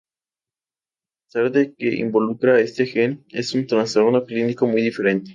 A pesar de que involucra a este gen, es un trastorno clínico muy diferente.